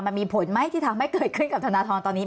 มันมีผลไหมที่ทำให้เกิดขึ้นกับธนทรตอนนี้